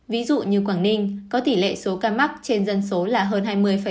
ví dụ như quảng ninh có tỷ lệ số ca mắc trên dân số là hơn hai mươi